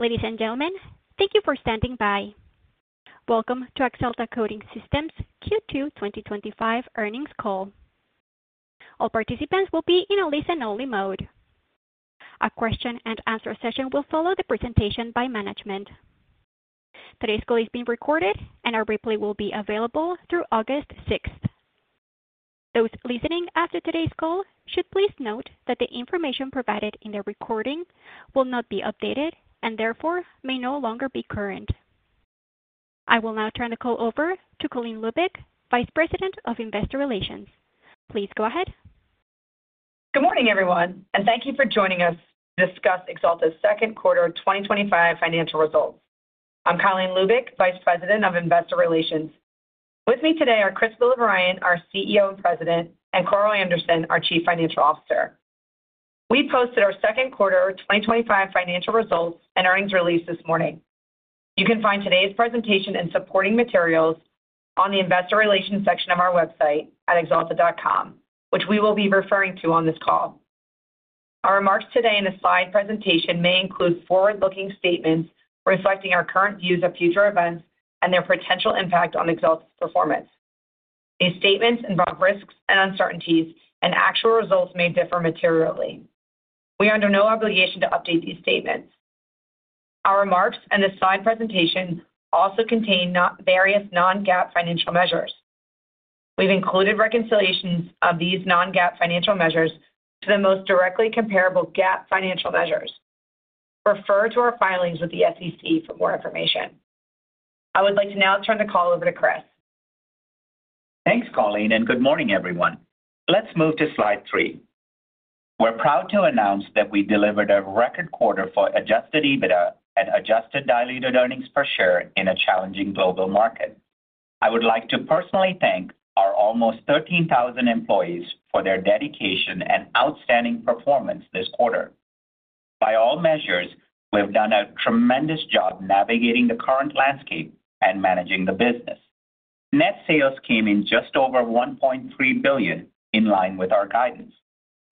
Ladies and gentlemen, thank you for standing by. Welcome to Axalta Coating Systems' Q2 2025 Earnings Call. All participants will be in a listen only mode. A question and answer session will follow the presentation by management. Today's call is being recorded and a replay will be available through August 6th. Those listening after today's call should please note that the information provided in the recording will not be updated and therefore may no longer be current. I will now turn the call over to Colleen Lubic, Vice President of Investor Relations. Please go ahead. Good morning everyone and thank you for joining us to discuss Axalta's second quarter 2025 financial results. I'm Colleen Lubic, Vice President of Investor Relations. With me today are Chris Villavarayan, our CEO and President, and Carl Anderson, our Chief Financial Officer. We posted our second quarter 2025 financial results and earnings release this morning. You can find today's presentation and supporting materials on the investor relations section of our website at axalta.com, which we will be referring to everyone on this call. Our remarks today in the slide presentation may include forward-looking statements reflecting our current views of future events and their potential impact on Axalta's performance. These statements involve risks and uncertainties, and actual results may differ materially. We are under no obligation to update these statements. Our remarks and the slide presentation also contain various non-GAAP financial measures. We've included reconciliations of these non-GAAP financial measures to the most directly comparable GAAP financial measures. Refer to our filings with the SEC for more information. I would like to now turn the call over to Chris. Thanks Colleen and good morning everyone. Let's move to slide three. We're proud to announce that we delivered a record quarter for adjusted EBITDA and adjusted diluted EPS in a challenging global market. I would like to personally thank our almost 13,000 employees for their dedication and outstanding performance this quarter. By all measures, we have done a tremendous job navigating the current landscape and managing the business. Net sales came in just over $1.3 billion. In line with our guidance,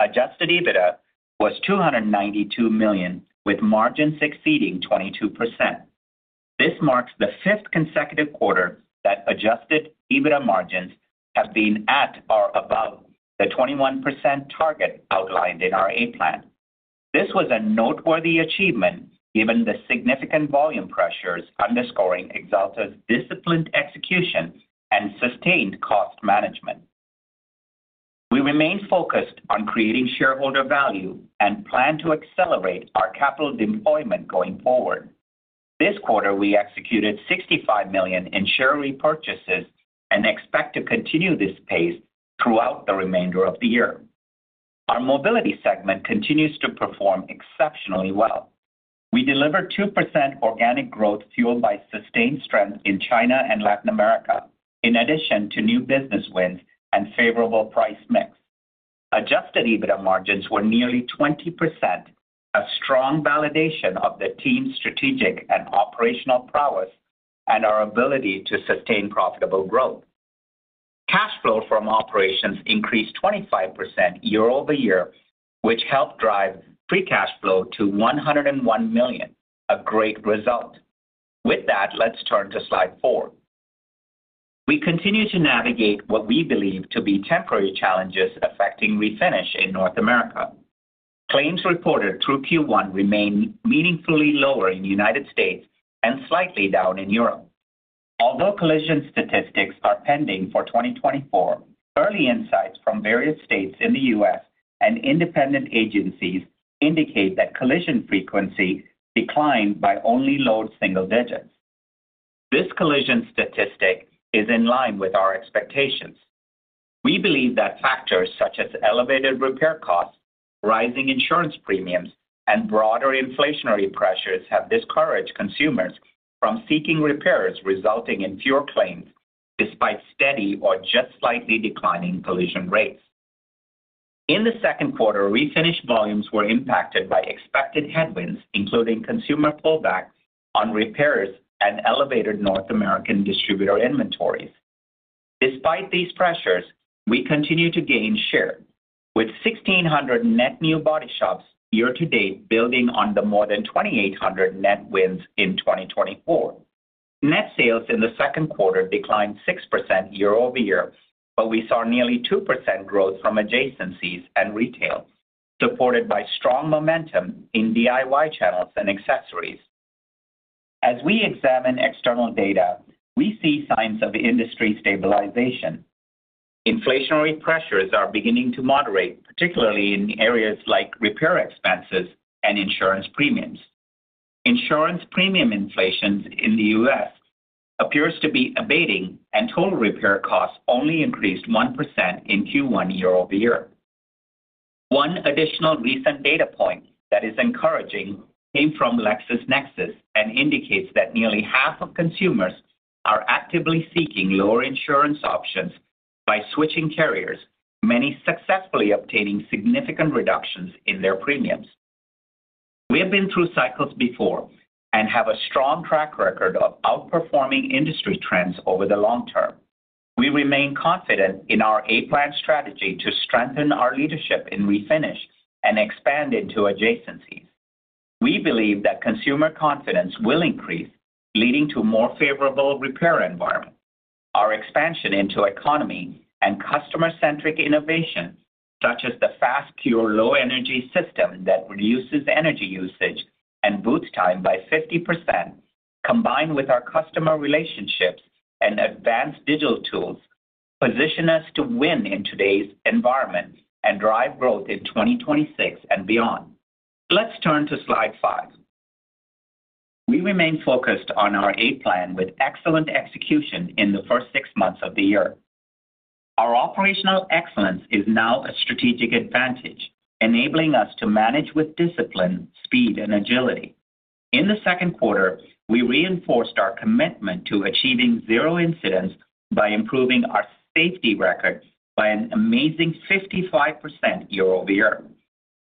adjusted EBITDA was $292 million with margins exceeding 22%. This marks the fifth consecutive quarter that adjusted EBITDA margins have been at or above the 21% target outlined in our A Plan. This was a noteworthy achievement given the significant volume pressures, underscoring Axalta's disciplined execution and sustained cost management. We remain focused on creating shareholder value and plan to accelerate our capital deployment going forward. This quarter we executed $65 million in share repurchases and expect to continue this pace throughout the remainder of the year. Our Mobility segment continues to perform exceptionally well. We delivered 2% organic growth, fueled by sustained strength in China and Latin America. In addition to new business wins and favorable price mix, adjusted EBITDA margins were nearly 20%, a strong validation of the team's strategic and operational prowess and our ability to sustain profitable growth. Cash flow from operations increased 25% year-over-year, which helped drive free cash flow to $101 million, a great result. With that, let's turn to slide four. We continue to navigate what we believe to be temporary challenges affecting Refinish in North America. Claims reported through Q1 remain meaningfully lower in the U.S. and slightly down in Europe. Although collision statistics are pending for 2024, early insights from various states in the U.S. and independent agencies indicate that collision frequency declined by only low single digits. This collision statistic is in line with our expectations. We believe that factors such as elevated repair costs, rising insurance premiums, and broader inflationary pressures have discouraged consumers from seeking repairs, resulting in fewer claims. Despite steady or just slightly declining collision rates in the second quarter, Refinish volumes were impacted by expected headwinds, including consumer pullbacks on repairs and elevated North American distributor inventories. Despite these pressures, we continue to gain shareholders with 1,600 net new body shops year to date, building on the more than 2,800 net wins in 2024. Net sales in the second quarter declined 6% year-over-year, but we saw nearly 2% growth from adjacencies and retail, supported by strong momentum in DIY channels and accessories. As we examine external data, we see signs of industry stabilization. Inflationary pressures are beginning to moderate, particularly in areas like repair expenses and insurance premiums. Insurance premium inflation in the U.S. appears to be abating and total repair costs only increased 1% in Q1 year-over-year. One additional recent data point that is encouraging came from LexisNexis and indicates that nearly half of consumers are actively seeking lower insurance options by switching carriers, many successfully obtaining significant reductions in their premiums. We have been through cycles before and have a strong track record of outperforming industry trends over the long term. We remain confident in our A Plan strategy to strengthen our leadership in Refinish and expand into adjacencies. We believe that consumer confidence will increase, leading to a more favorable repair environment. Our expansion into economy and customer-centric innovation, such as the fast pure low energy system that reduces energy usage and boost time by 50%, combined with our customer relationships and advanced digital tools, position us to win in today's environment and drive growth in 2026 and beyond. Let's turn to slide five. We remain focused on our A Plan with excellent execution in the first six months of the year. Our operational excellence is now a strategic advantage, enabling us to manage with discipline, speed, and agility. In the second quarter, we reinforced our commitment to achieving zero incidents by improving our safety record by an amazing 55% year-over-year.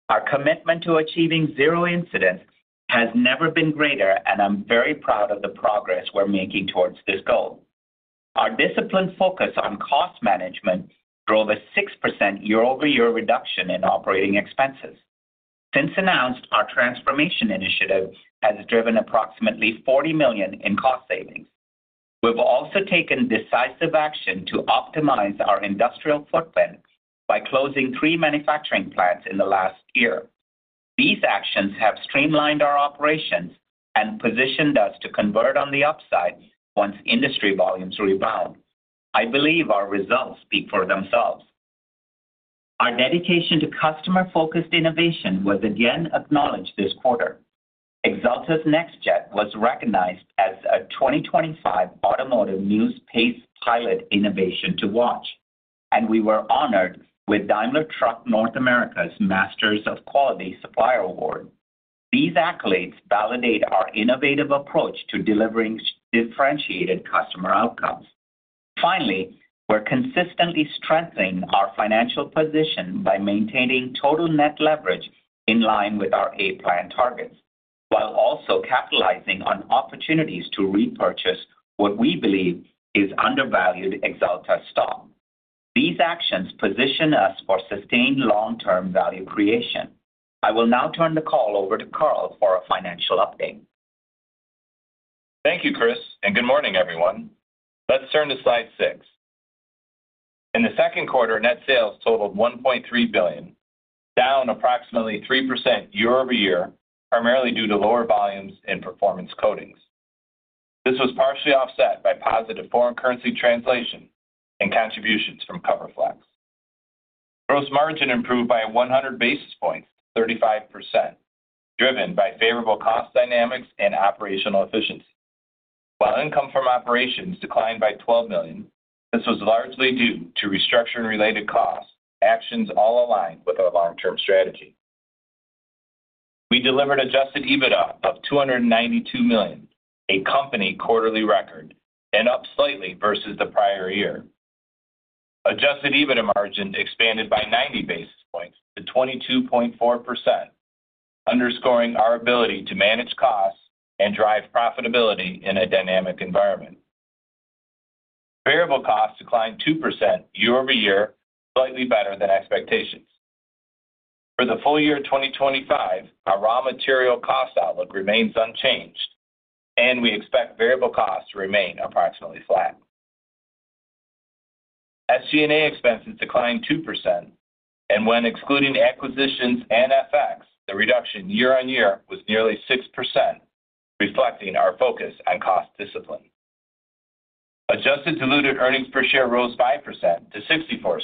Our commitment to achieving zero incidents has never been greater, and I'm very proud of the progress we're making towards this goal. Our disciplined focus on cost management drove a 6% year-over-year reduction in operating expenses. Since announced, our transformation initiative has driven approximately $40 million in cost savings. We've also taken decisive action to optimize our industrial footprint by closing three manufacturing plants in the last year. These actions have streamlined our operations and positioned us to convert on the upside once industry volumes rebound. I believe our results speak for themselves. Our dedication to customer-focused innovation was again acknowledged this quarter. Axalta's NextJet was recognized as a 2025 Automotive News PACE Pilot Innovation to Watch, and we were honored with Daimler Truck North America's Masters of Quality Supplier Award. These accolades validate our innovative approach to delivering differentiated customer outcomes. Finally, we're consistently strengthening our financial position by maintaining total net leverage in line with our A Plan targets while also capitalizing on opportunities to repurchase what we believe is undervalued Axalta stock. These actions position us for sustained long-term value creation. I will now turn the call over to Carl for a financial update. Thank you Chris and good morning everyone. Let's turn to slide six. In the second quarter, net sales totaled $1.3 billion, down approximately 3% year-over-year, primarily due to lower volumes in performance coatings. This was partially offset by positive foreign currency translation and contributions from CoverFlexx. Gross margin improved by 100 basis points to 35%, driven by favorable cost dynamics and operational efficiency, while income from operations declined by $12 million. This was largely due to restructuring-related cost actions, all aligned with our long-term strategy. We delivered adjusted EBITDA of $292 million, a company quarterly record and up slightly versus the prior year. Adjusted EBITDA margin expanded by 90 basis points to 22.4%, underscoring our ability to manage costs and drive profitability in a dynamic environment. Variable costs declined 2% year-over-year, slightly better than expectations for the full year 2025. Our raw material cost outlook remains unchanged and we expect variable costs to remain approximately flat. SG&A expenses declined 2%, and when excluding acquisitions and FX, the reduction year-on-year was nearly 6%, reflecting our focus on cost discipline. Adjusted diluted EPS rose 5% to $0.64,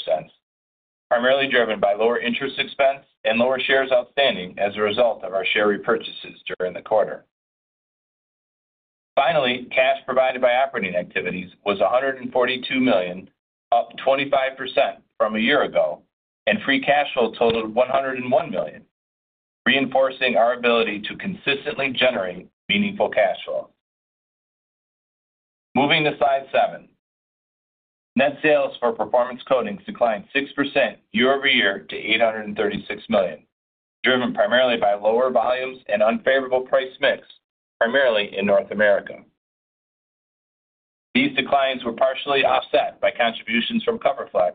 primarily driven by lower interest expense and lower shares outstanding as a result of our share repurchases during the quarter. Finally, cash provided by operating activities was $142 million, up 25% from a year ago, and free cash flow totaled $101 million, reinforcing our ability to consistently generate meaningful cash flow. Moving to slide seven, net sales for performance coatings declined 6% year-over-year to $836 million, driven primarily by lower volumes and unfavorable price mix, primarily in North America. These declines were partially offset by contributions from CoverFlexx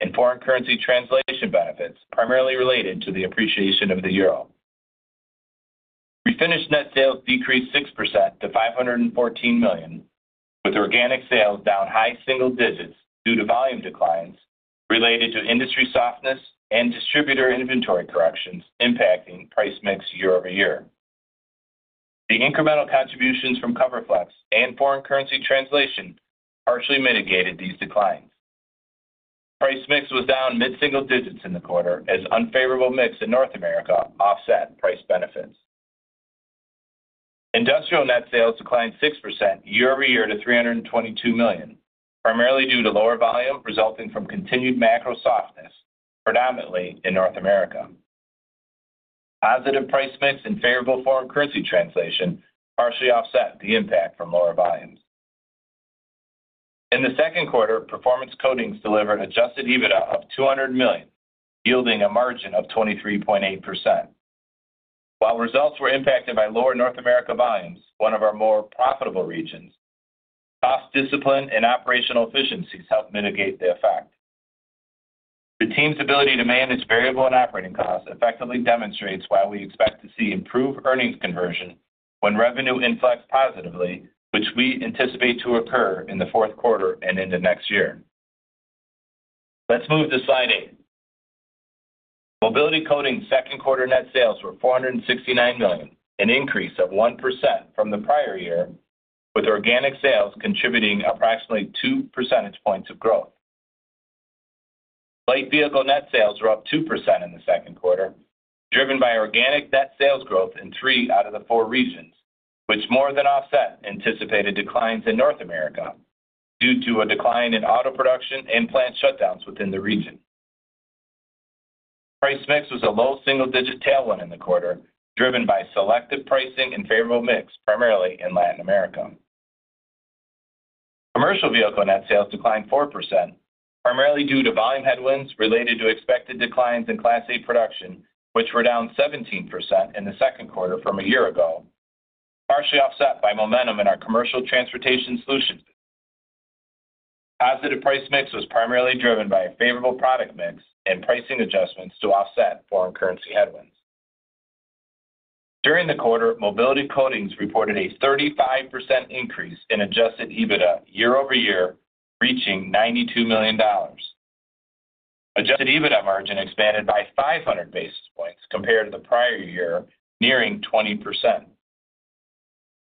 and foreign currency translation benefits, primarily related to the appreciation of the euro. Refinish net sales decreased 6% to $514 million, with organic sales down high single digits due to volume declines related to industry softness and distributor inventory corrections impacting price mix year-over-year. The incremental contributions from CoverFlexx and foreign currency translation partially mitigated these declines. Price mix was down mid single digits in the quarter as unfavorable mix in North America offset price benefits. Industrial net sales declined 6% year-over-year to $322 million, primarily due to lower volume resulting from continued macro softness, predominantly in North America. Positive price mix and favorable foreign currency translation partially offset the impact from lower volumes in the second quarter. Performance coatings delivered adjusted EBITDA of $200 million, yielding a margin of 23.8%. While results were impacted by lower North America volumes, one of our more profitable regions, cost discipline and operational efficiencies helped mitigate the effect. The team's ability to manage variable and operating costs effectively demonstrates why we expect to see improved earnings conversion when revenue inflects positively, which we anticipate to occur in the fourth quarter and into next year. Let's move to slide eight, Mobility Coating. Second quarter net sales were $469 million, an increase of 1% from the prior year, with organic sales contributing approximately 2 percentage points of growth. Light vehicle net sales were up 2% in the second quarter driven by organic net sales growth in three out of the four regions, which more than offset anticipated declines in North America due to a decline in auto production and plant shutdowns within the region. Price mix was a low single digit tailwind in the quarter driven by selective pricing and favorable mix, primarily in Latin America. Commercial vehicle net sales declined 4% primarily due to volume headwinds related to expected declines in Class 8 production, which were down 17% in the second quarter from a year ago, partially offset by momentum in our commercial transportation solutions business. Positive price mix was primarily driven by a favorable product mix and pricing adjustments to offset foreign currency headwinds during the quarter. Mobility Coatings reported a 35% increase in adjusted EBITDA year-over-year, reaching $92 million. Adjusted EBITDA margin expanded by 500 basis points compared to the prior year, nearing 20%.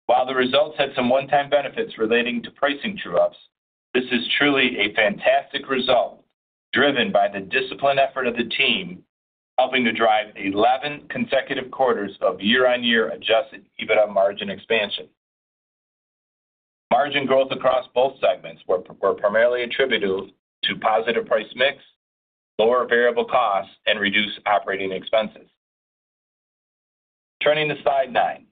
While the results had some one time benefits relating to pricing true ups, this is truly a fantastic result driven by the disciplined effort of the team helping to drive 11 consecutive quarters of year-on-year adjusted EBITDA margin expansion. Margin growth across both segments was primarily attributable to positive price mix, lower variable costs, and reduced operating expenses. Turning to slide nine,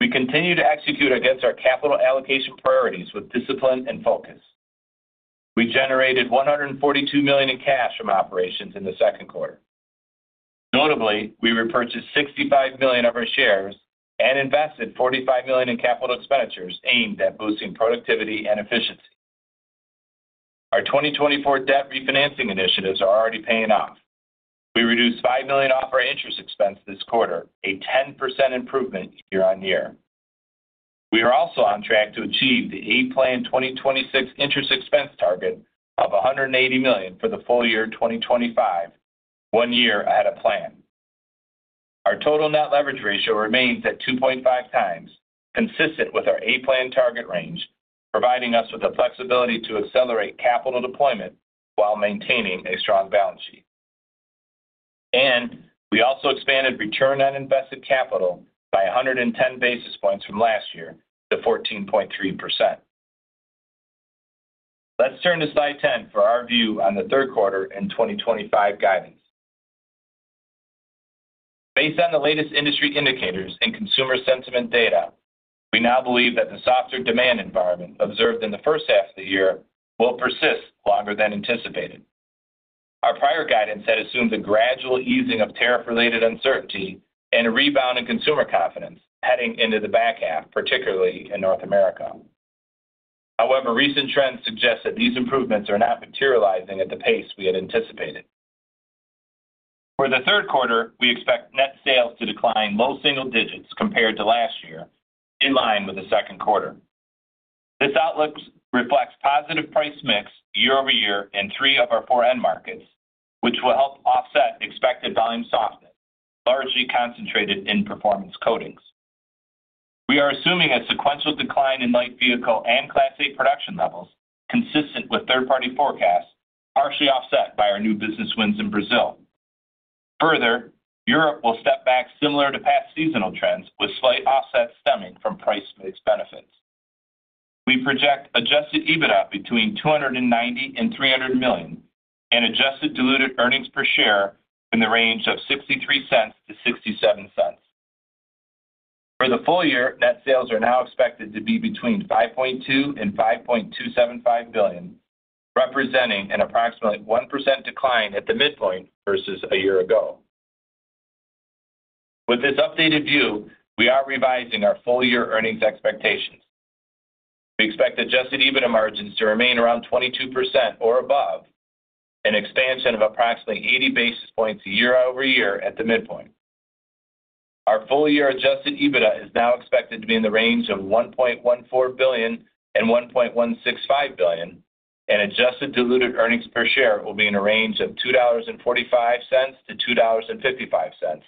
we continue to execute against our capital allocation priorities with discipline and focus. We generated $142 million in cash from operations in the second quarter. Notably, we repurchased $65 million of our shares and invested $45 million in capital expenditures aimed at boosting productivity and efficiency. Our 2024 debt refinancing initiatives are already paying off. We reduced $5 million off our interest expense this quarter, a 10% improvement year-on-year. We are also on track to achieve the A Plan 2026 interest expense target of $180 million for the full year 2025, one year ahead of plan. Our total net leverage ratio remains at 2.5x, consistent with our A Plan target range, providing us with the flexibility to accelerate capital deployment while maintaining a strong balance sheet. We also expanded return on invested capital by 110 basis points from last year to 14.3%. Let's turn to slide 10 for our view on the third quarter and 2025 guidance. Based on the latest industry indicators and consumer sentiment data, we now believe that the softer demand environment observed in the first half of the year will persist longer than anticipated. Our prior guidance had assumed a gradual easing of tariff-related uncertainty and a rebound in consumer confidence heading into the back half, particularly in North America. However, recent trends suggest that these improvements are not materializing at the pace we had anticipated. For the third quarter, we expect net sales to decline low single digits compared to last year in line with the second quarter. This outlook reflects positive price mix year-over-year in three of our four end markets, which will help offset expected volume softness largely concentrated in performance coatings. We are assuming a sequential decline in light vehicle and Class 8 production levels consistent with third-party forecasts, partially offset by our new business wins in Brazil. Further, Europe will step back similar to past seasonal trends, with slight offsets stemming from price mix benefits. We project adjusted EBITDA between $290 million and $300 million and adjusted diluted earnings per share in the range of $0.63-$0.67. For the full year, net sales are now expected to be between $5.2 billion and $5.275 billion, representing an approximately 1% decline at the midpoint versus a year ago. With this updated view, we are revising our full year earnings expectations. We expect adjusted EBITDA margins to remain around 22% or above, an expansion of approximately 80 basis points year-over-year. At the midpoint, our full year adjusted EBITDA is now expected to be in the range of $1.14 billion and $1.165 billion, and adjusted diluted earnings per share will be in a range of $2.45-$2.55,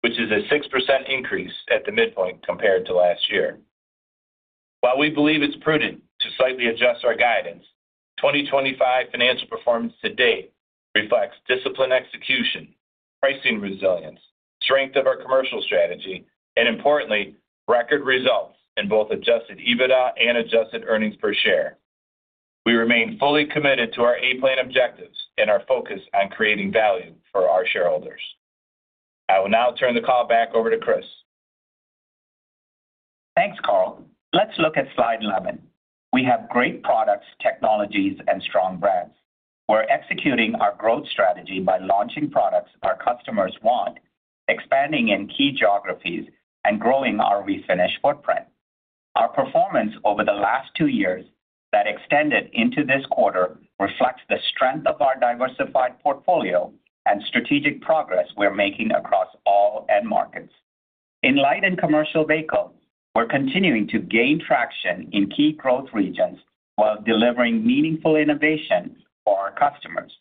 which is a 6% increase at the midpoint compared to last year. While we believe it's prudent to slightly adjust our guidance, 2025 financial performance to date reflects disciplined execution, pricing resilience, strength of our commercial strategy, and importantly, record results in both adjusted EBITDA and adjusted earnings per share. We remain fully committed to our A Plan objectives and our focus on creating value for our shareholders. I will now turn the call back over to Chris. Thanks, Carl. Let's look at slide 11. We have great products, technologies, and strong brands. We're executing our growth strategy by launching products our customers want, expanding in key geographies, and growing our Refinish footprint. Our performance over the last two years that extended into this quarter reflects the strength of our diversified portfolio and strategic progress we're making across all end markets. In light and commercial vehicles, we're continuing to gain traction in key growth regions while delivering meaningful innovation for our customers.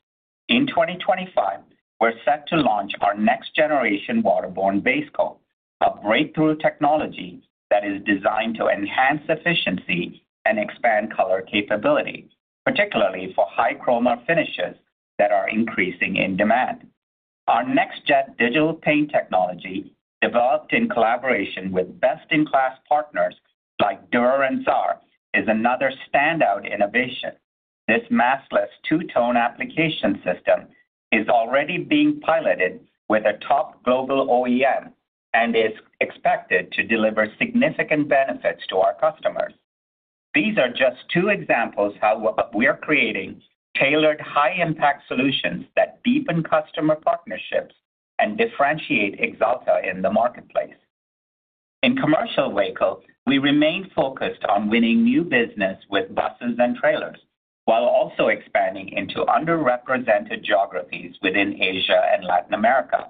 In 2025, we're set to launch our next generation waterborne basecoat, a breakthrough technology that is designed to enhance efficiency and expand color capability, particularly for high chroma finishes that are increasing in demand. Our NextJet digital paint technology, developed in collaboration with best-in-class partners like Dürr and Xaar, is another standout innovation. This massless two-tone application system is already being piloted with a top global OEM and is expected to deliver significant benefits to our customers. These are just two examples of how we are creating tailored, high-impact solutions that deepen customer partnerships and differentiate Axalta in the marketplace. In commercial vehicles, we remain focused on winning new business with buses and trailers while also expanding into underrepresented geographies within Asia and Latin America,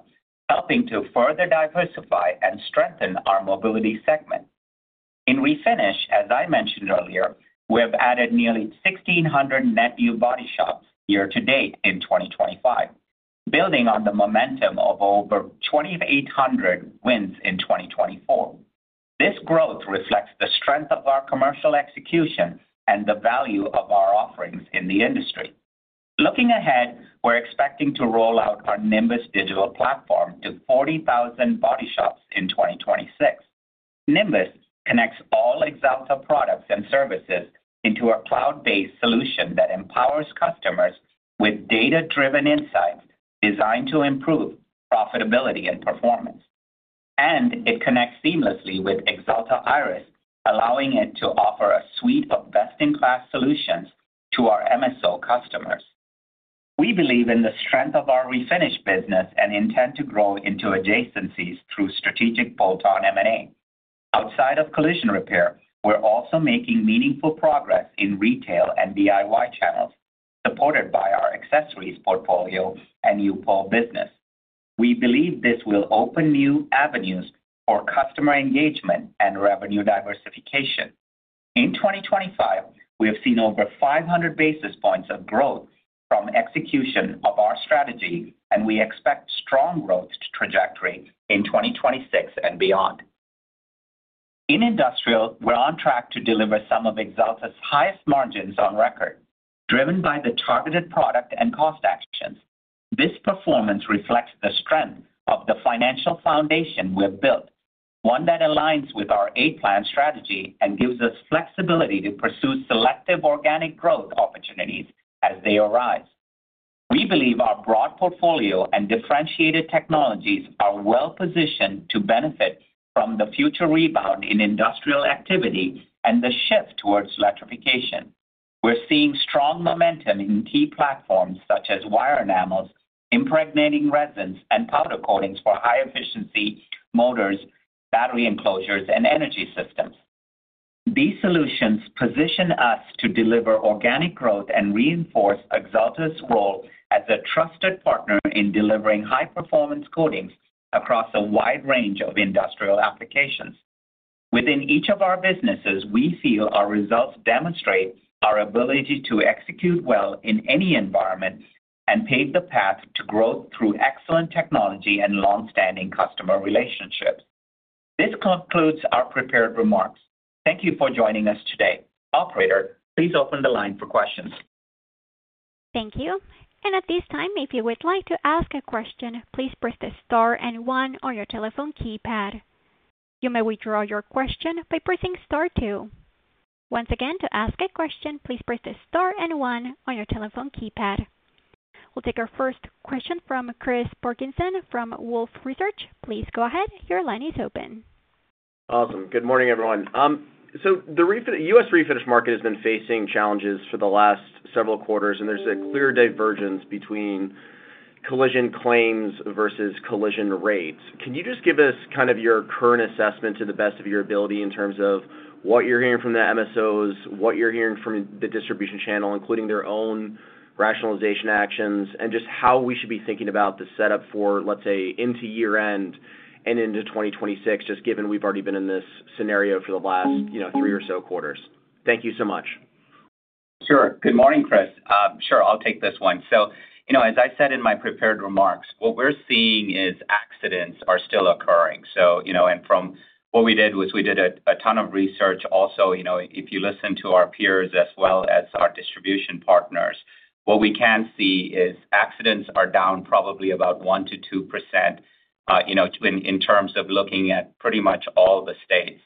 helping to further diversify and strengthen our Mobility segment. In Refinish, as I mentioned earlier, we have added nearly 1,600 net new body shops year to date in 2025, building on the momentum of over 2,800 wins in 2024. This growth reflects the strength of our commercial execution and the value of our offerings in the industry. Looking ahead, we're expecting to roll out our Nimbus digital platform to 40,000 body shops in 2026. Nimbus connects all Axalta products and services into a cloud-based solution that empowers customers with data-driven insights designed to improve profitability and performance, and it connects seamlessly with Axalta Irus, allowing it to offer a suite of best-in-class solutions to our MSO customers. We believe in the strength of our Refinish business and intend to grow into adjacencies through strategic bolt-on M&A outside of collision repair. We're also making meaningful progress in retail and DIY channels supported by our accessories portfolio and U-POL business. We believe this will open new avenues for customer engagement and revenue diversification. In 2025, we have seen over 500 basis points of growth from execution of our strategy, and we expect strong growth trajectory in 2026 and beyond. In industrial, we're on track to deliver some of Axalta's highest margins on record, driven by the targeted product and cost actions. This performance reflects the strength of the financial foundation we have built, one that aligns with our A Plan strategy and gives us flexibility to pursue selective organic growth opportunities as they arise. We believe our broad portfolio and differentiated technologies are well positioned to benefit from the future rebound in industrial activity and the shift towards electrification. We're seeing strong momentum in key platforms such as wire enamels, impregnating resins, and powder coatings for high efficiency motors, battery enclosures, and energy systems. These solutions position us to deliver organic growth and reinforce Axalta's role as a trusted partner in delivering high performance coatings across a wide range of industrial applications within each of our businesses. We feel our results demonstrate our ability to execute well in any environment and pave the path to growth through excellent technology and long standing customer relationships. This concludes our prepared remarks. Thank you for joining us today. Operator, please open the line for questions. Thank you. At this time, if you would like to ask a question, please press the star and one on your telephone keypad. You may withdraw your question by pressing star two. Once again, to ask a question, please press the star and one on your telephone keypad. We'll take our first question from Chris Parkinson from Wolfe Research. Please go ahead. Your line is open. Awesome. Good morning, everyone. The U.S. Refinish market has been facing challenges for the last several quarters, and there's a clear divergence between collision claims versus collision rates. Can you just give us your current assessment to the best of your ability in terms of what you're hearing from the MSOs, what you're hearing from the distribution channel, including their own rationalization actions and just how we should be thinking about the setup for, let's say, into year end and into 2026, just given we've already been in this scenario for the last three or so quarters. Thank you so much. Good morning, Chris. I'll take this one. As I said in my prepared remarks, what we're seeing is accidents are still occurring. From what we did was we did a ton of research also. If you listen to our peers as well as our distribution partners, what we can see is accidents are down probably about 1%-2%. In terms of looking at pretty much all the states,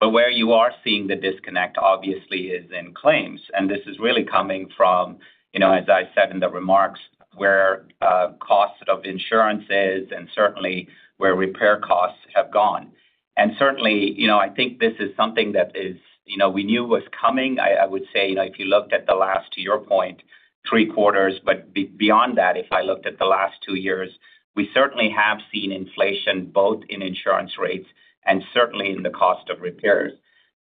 where you are seeing the disconnect obviously is in claims. This is really coming from, as I said in the remarks, where cost of insurance is and certainly where repair costs have gone. I think this is something that is, we knew was coming. If you looked at the last, to your point, three quarters, but beyond that, if I looked at the last two years, we certainly have seen inflation both in insurance rates and certainly in the cost of repairs.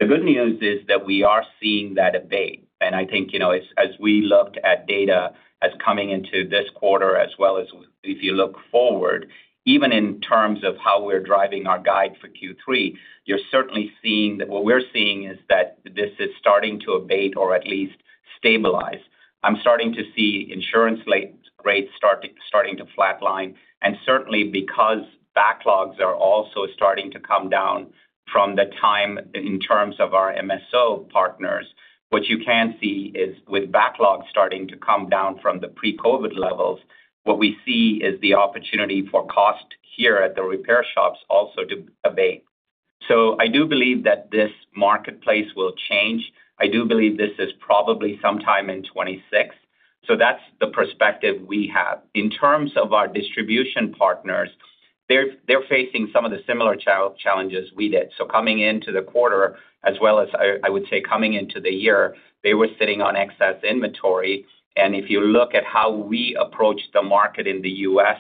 The good news is that we are seeing that abate. I think as we looked at data as coming into this quarter as well as if you look. Forward, even in terms of how we're driving our guide for Q3, you're certainly seeing that. What we're seeing is that this is starting to abate or at least stabilize. I'm starting to see insurance rates starting to flatline, and certainly because backlogs are also starting to come down from the time in terms of our MSO partners, what you can see is with backlog starting to come down from the pre-COVID levels, what we see is the opportunity for cost here at the repair shops also to abate. I do believe that this marketplace will change. I do believe this is probably sometime in 2026. That's the perspective we have in terms of our distribution partners. They're facing some of the similar challenges we did, so coming into the quarter as well as, I would say, coming into the year, they were sitting on excess inventory. If you look at how we approach the market in the U.S.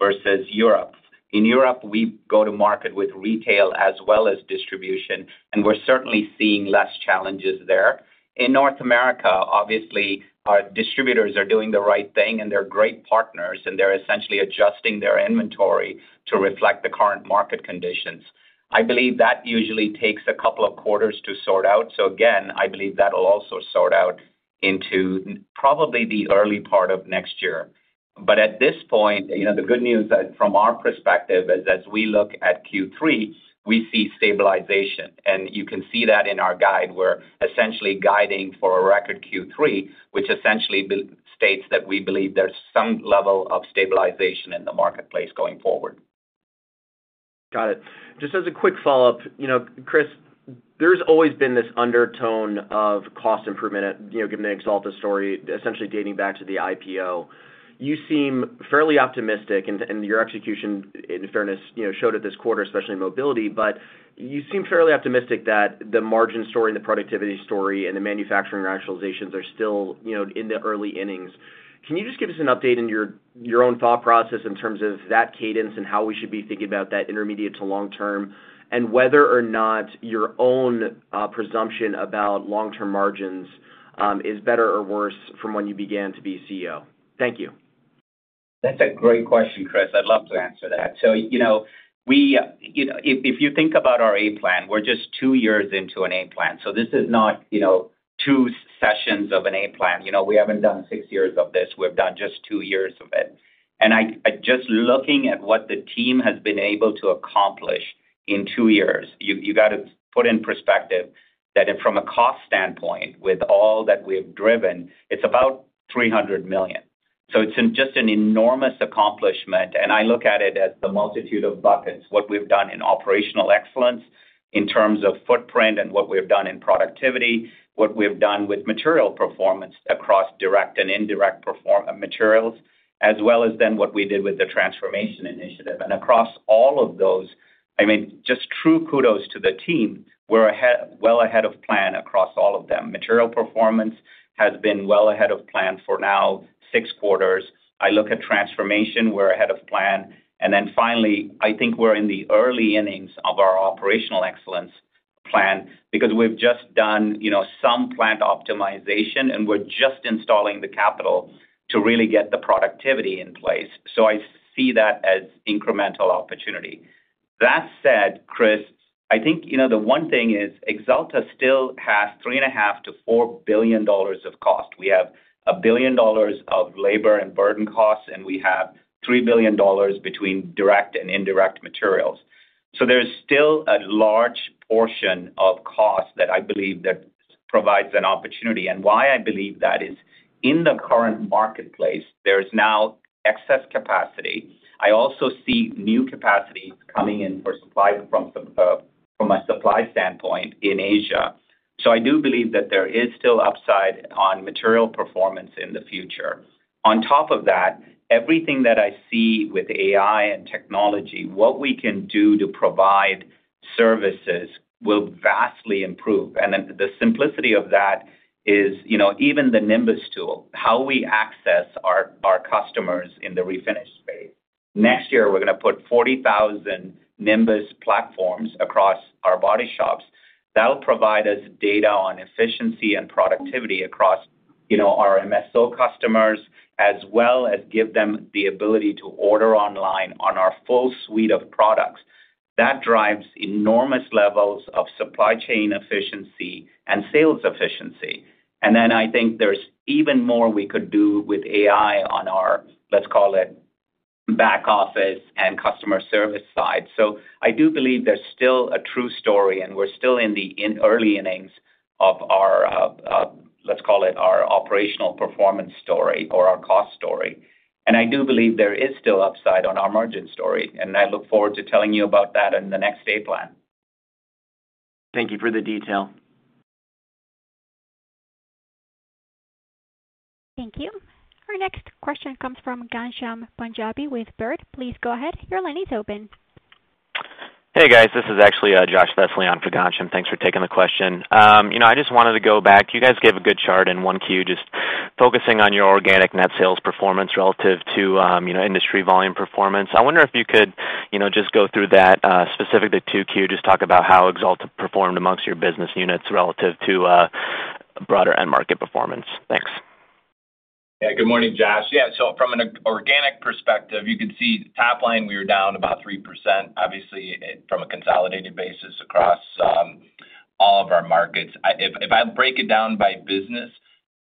versus Europe, in Europe, we go to market with retail as well as distribution, and we're certainly seeing less challenges there. In North America, obviously our distributors are doing the right thing and they're great partners, and they're essentially adjusting their inventory to reflect the current market conditions. I believe that usually takes a couple of quarters to sort out. I believe that will also sort out into probably the early part of next year. At this point, the good news from our perspective is as we look at Q3, we see stabilization. You can see that in our guide. We're essentially guiding for a record Q3, which essentially states that we believe there's some level of stabilization in the marketplace going forward. Got it. Just as a quick follow-up, Chris, there's always been this undertone of cost improvement. Given the Axalta story essentially dating back to the IPO, you seem fairly optimistic and your execution in fairness showed it. This quarter, especially in Mobility, you seem fairly optimistic that the margin story, the productivity story, and the manufacturing actualization are still in the early innings. Can you just give us an update? In your own thought process in terms of that cadence and how we should be thinking about that intermediate to long-term and whether or not your own presumption about long term margins is better or worse from when you began to be CEO? Thank you. That's a great question, Chris. I'd love to answer that. If you think about our A Plan, we're just two years into an A Plan. This is not two sessions of an A Plan. We haven't done six years of this. We've done just two years of it. Looking at what the team has been able to accomplish in two years, you have to put in perspective that from a cost standpoint, with all that we have driven, it's about $300 million. It's just an enormous accomplishment. I look at it as the multitude of buckets. What we've done in operational excellence, in terms of footprint and what we have done in productivity, what we have done with material performance across direct and indirect materials, as well as what we did with the transformation initiative. Across all of those, true kudos to the team. We're well ahead of plan across all of them. Material performance has been well ahead of plan for now, six quarters. I look at transformation, we're ahead of plan. I think we're in the early innings of our operational excellence plan because we've just done some plant optimization and we're just installing the capital to really get the productivity in place. I see that as incremental opportunity. That said, Chris, I think the one thing is Axalta still has $3.5 billion-$4 billion of cost. We have $1 billion of labor and burden costs and we have $3 billion between direct and indirect materials. There is still a large portion of cost that I believe provides an opportunity. I believe that in the current marketplace there is now excess capacity. I also see new capacities coming in for supply from a supply standpoint in Asia. I do believe that there is still upside on material performance in the future. On top of that, everything that I see with AI and technology, what we can do to provide services will vastly improve. The simplicity of that is even the Nimbus tool, how we access our customers in the Refinish space. Next year we're going to put 40,000 Nimbus platforms across our body shops that'll provide us data on efficiency and productivity across our MSO customers, as well as give them the ability to order online on our full suite of products. That drives enormous levels of supply chain efficiency and sales efficiency. I think there's even more we could do with AI on our, let's call it back office and customer service side. I do believe there's still a true story and we're still in the early innings of our, let's call it our operational performance story or our cost story. I do believe there is still upside on our margin story and I look forward to telling you about that in the next A Plan. Thank you for the detail. Thank you. Our next question comes from [Ghansham Panjabi] with Baird. Please go ahead. Your line is open. Hey guys, this is actually Josh [Thessalyon Faganshum]. Thanks for taking the question. I just wanted to go back. You guys gave a good chart in 1Q. Just focusing on your organic net sales performance relative to industry volume performance. I wonder if you could just go through that specific to 2Q. Just talk about how Axalta performed amongst your business units relative to broader end market performance. Thanks. Good morning, Josh. Yeah, so from an organic perspective you can see top line, we were down about 3%. Obviously from a consolidated basis across all of our markets. If I break it down by business,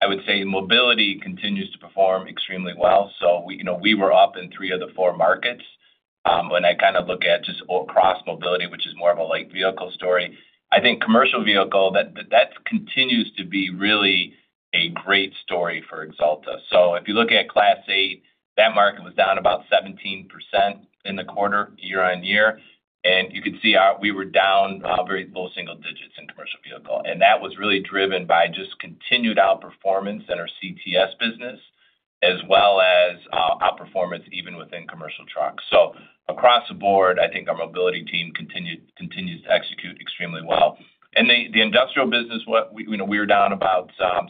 I would say Mobility continues to perform extremely well. We were up in three of the four markets. When I kind of look at just cross Mobility, which is more of a light vehicle story, I think commercial vehicle, that continues to be really a great story for Axalta. If you look at Class 8, that market was down about 17% in the quarter year-on-year. You can see we were down very low single digits in commercial vehicle. That was really driven by just continued outperformance in our CTS business as well as outperformance even within commercial trucks. Across the board I think our Mobility team continues to execute extremely well. The industrial business, we were down about 6%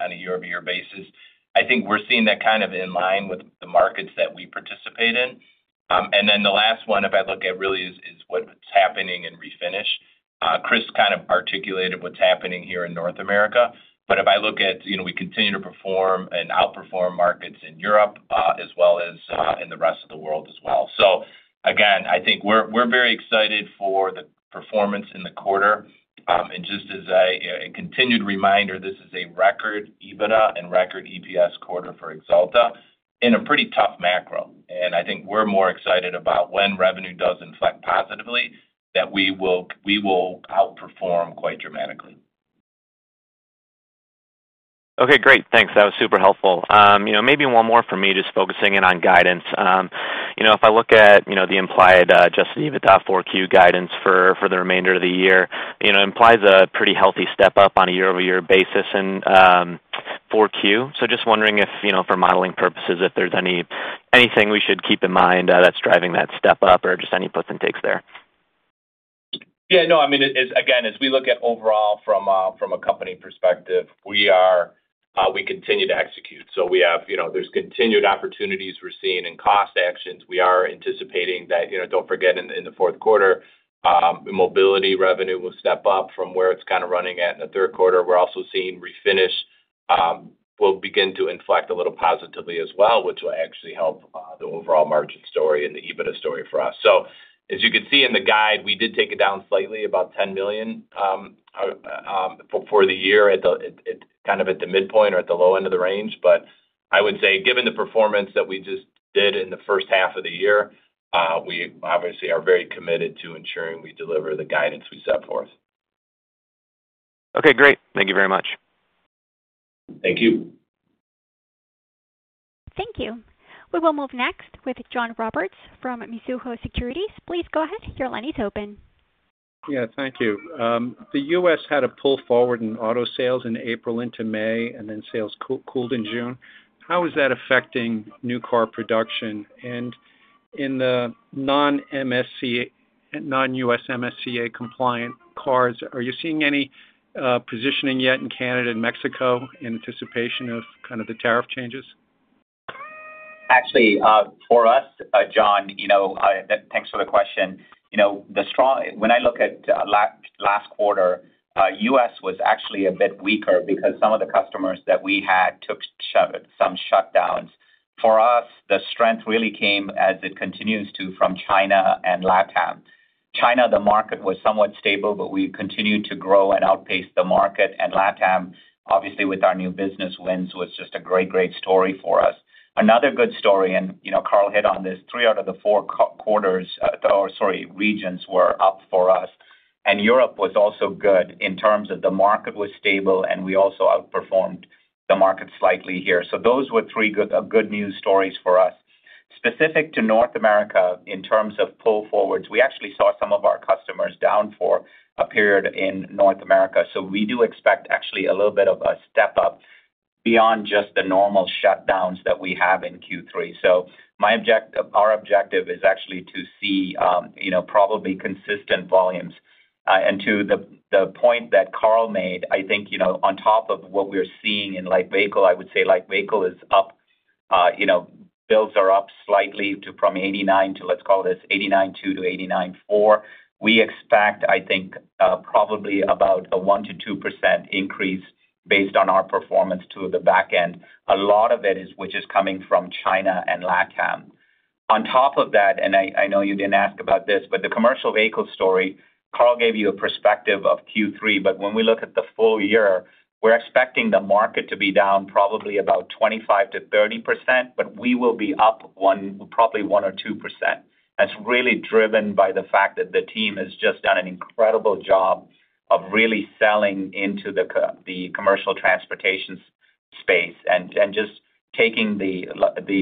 on a year-over-year basis. I think we're seeing that kind of in line with the markets that we participate in. The last one if I look at really is what's happening in Refinish. Chris kind of articulated what's happening here in North America. If I look at, you know, we continue to perform and outperform markets in Europe as well as in the rest of the world as well. Again, I think we're very excited for the performance in the quarter. Just as a continued reminder, this is a record EBITDA and record EPS quarter for Axalta in a pretty tough macro. I think we're more excited about when revenue does inflect positively that we will outperform quite dramatically. Okay, great, thanks. That was super helpful. Maybe one more for me just focusing in on guidance. If I look at the implied adjusted EBITDA 4Q guidance for the remainder of the year, it implies a pretty healthy step up on a year-over-year basis. For 4Q, just wondering if, for modeling purposes, if there's anything we should keep in mind that's driving that step up. Just any puts and takes there. Yeah, no, I mean again, as we look at overall from a company perspective, we are, we continue to execute. We have, you know, there's continued opportunities we're seeing in cost actions. We are anticipating that. You know, don't forget in the fourth quarter Mobility revenue will step up from where it's kind of running at in the third quarter. We're also seeing Refinish will begin to inflect a little positively as well, which will actually help the overall margin story and the EBITDA story for us. As you can see in the guide, we did take it down slightly, about $10 million for the year at the midpoint or at the low end of the range. I would say given the performance that we just did in the first half of the year, we obviously are very committed to ensuring we deliver the guidance we set for us. Okay, great. Thank you very much. Thank you. Thank you. We will move next with John Roberts from Mizuho Securities. Please go ahead. Your line is open. Thank you. The U.S. had a pull forward in auto sales in April into May, and then sales cooled in June. How is that affecting new car production? In the non-U.S. MSCA compliant cards, are you seeing any positioning yet in Canada and Mexico in anticipation of the tariff changes? Actually for us, John, thanks for the question. The strong, when I look at last quarter, U.S. was actually a bit weaker because some of the customers that we had took some shutdowns. For us, the strength really came as it continues to from China and Latin America. China, the market was somewhat stable but we continue to grow and outpace the market, and Latin America obviously with our new business wins was just a great, great story for us. Another good story. Carl hit on this. Three out of the four regions were up for us and Europe was also good in terms of the market was stable and we also outperformed the market slightly here. Those were three good news stories for us. Specific to North America in terms of pull forwards, we actually saw some of our customers down for a period in North America. We do expect actually a little bit of a step up beyond just the normal shutdowns that we have in Q3. Our objective is actually to see probably consistent volumes and to the point that Carl made, I think on top of what we're seeing in light vehicle, I would say light vehicle is up, bills are up slightly too from $89 million to let's call this [$89.2 million-$89.4 million]. We expect, I think, probably about a 1%-2% increase based on our performance to the back end. A lot of it is coming from China and Latin America on top of that. I know you didn't ask about this, but the commercial vehicle story, Carl gave you a perspective of Q3. When we look at the full year, we're expecting the market to be down probably about 25%-30% but we will be up probably 1% or 2%. That's really driven by the fact that the team has just done an incredible job of really selling into the commercial transportation space and just taking the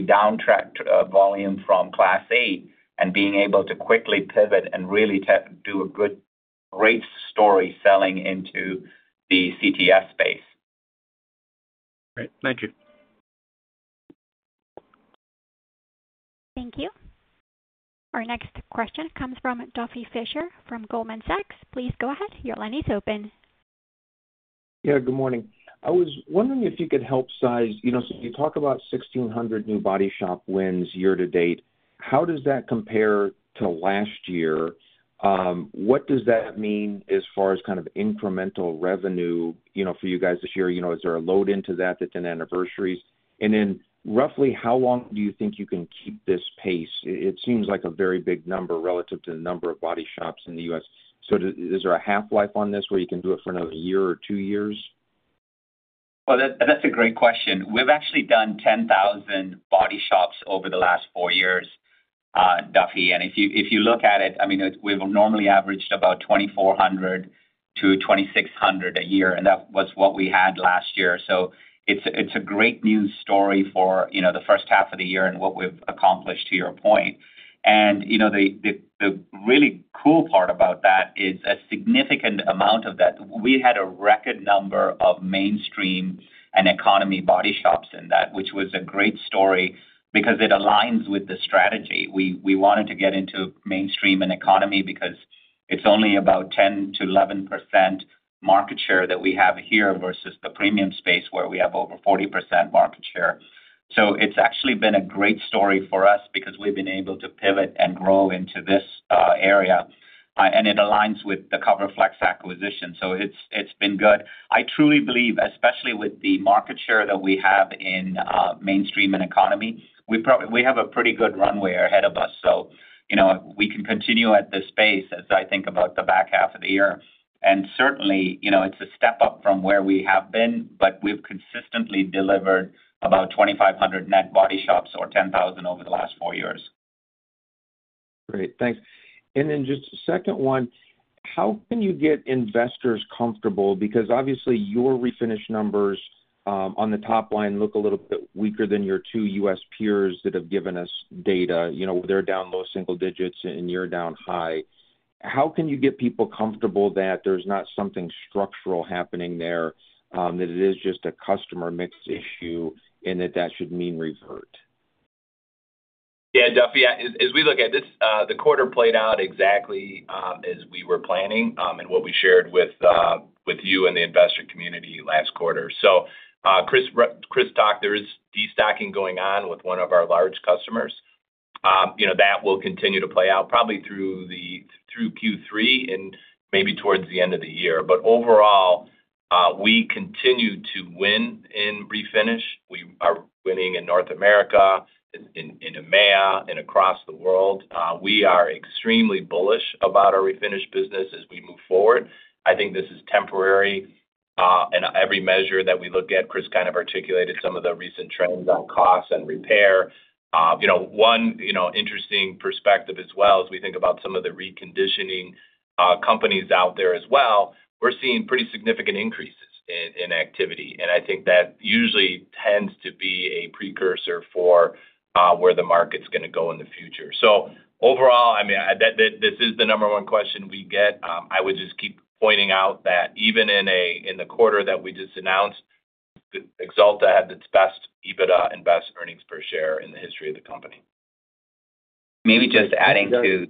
downtrack volume from Class 8 and being able to quickly pivot and really do a good job. Great story selling into the commercial transportation space. Thank you. Thank you. Our next question comes from Duffy Fischer from Goldman Sachs. Please go ahead. Your line is open. Good morning. I was wondering if you could help size. You know, you talk about 1,600 new body shop wins year to date. How does that compare to last year? What does that mean as far as kind of incremental revenue for you guys this year? Is there a load into that 10 anniversaries and then roughly how long do you think you can keep this pace? It seems like a very big number relative to the number of body shops in the U.S. Is there a half life on this where you can do it for another year or two years? That's a great question. We've actually done 10,000 body shops over the last four years, Duffy. If you look at it, we've normally averaged about 2,400-2,600 a year, and that was what we had last year. It's a great news story for the first half of the year and what we've accomplished to your point. The really cool part about that is a significant amount of that. We had a record number of mainstream and economy body shops in that, which was a great story because it aligns with the strategy we wanted to get into mainstream and economy because it's only about 10%-11% market share that we have here versus the premium space where we have over 40% market share. It's actually been a great story for us because we've been able to pivot and grow into this area and it aligns with the CoverFlexx acquisition. It's been good. I truly believe, especially with the market share that we have in mainstream and economy, we have a pretty good runway ahead of us. We can continue at this pace, as I think about the back half of the year, and certainly it's a step up from where we have been, but we've consistently delivered about 2,500 net body shops or 10,000 over the last four years. Great, thanks. Just second one, how can you get investors comfortable? Because obviously your Refinish numbers on the top line look a little bit weaker than your two U.S. peers that have given us data. You know, they're down low single digits. You're down high. How can you get people comfortable with that there's not something structural happening there, that it is just a customer mix issue and that that should mean revert. Yeah, Duffy, as we look at this, the quarter played out exactly as we were planning and what we shared with you and the investor community last quarter. Chris talked there is destocking going on with one of our large customers. That will continue to play out probably through Q3 and maybe towards the end of the year. Overall, we continue to win in Refinish. We are winning in North America, in EMEA, and across the world. We are extremely bullish about our Refinish business as we move forward. I think this is temporary. Every measure that we look at, Chris kind of articulated some of the recent trends on costs and repair. One interesting perspective as well as we think about some of the reconditioning companies out there as well. We're seeing pretty significant increases in activity. I think that usually tends to be a precursor for where the market's going to go in the future. Overall, this is the number one question we get. I would just keep pointing out that even in the quarter that we just announced, Axalta had its best EBITDA and best earnings per share in the history of the company. Maybe just adding to